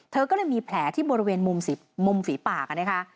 เธอก็เลยมีแผลที่บริเวณมุมฝีปากนะคะ